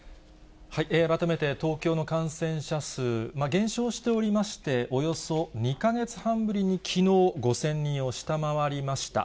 改めて東京の感染者数、減少しておりまして、およそ２か月半ぶりに、きのう、５０００人を下回りました。